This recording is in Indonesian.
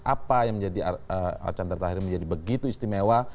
apa yang menjadi arcandra tahar menjadi begitu istimewa